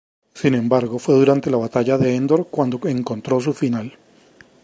Sin embargo, fue durante la Batalla de Endor cuando encontró su final.